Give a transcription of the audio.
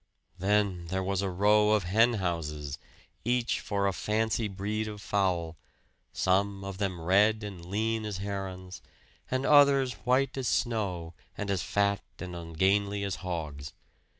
Then there was a row of henhouses, each for a fancy breed of fowl some of them red and lean as herons, and others white as snow and as fat and ungainly as hogs.